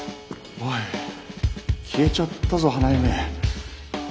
おい消えちゃったぞ花嫁。